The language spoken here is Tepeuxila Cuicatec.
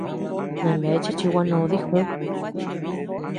Naneachea chi gua noo dijú.